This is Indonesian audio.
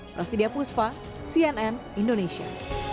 prasidia puspa cnn indonesia